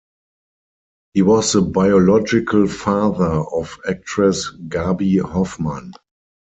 He was the biological father of actress Gaby Hoffmann.